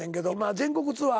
全国ツアー